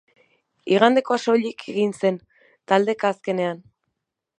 Igandekoa soilik egin zen, taldeka azkenean.